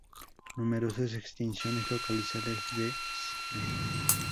Numerosas extinciones localizadas de spp.